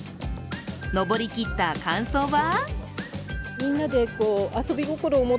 登りきった感想は？